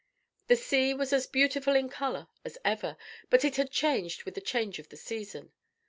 The sea was as beautiful in color as ever, but it had changed with the change of the season.